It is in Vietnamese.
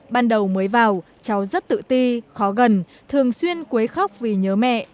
ban đầu mới vào cháu rất tự ti khó gần thường xuyên quấy khóc vì nhớ mẹ